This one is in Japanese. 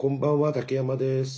竹山です。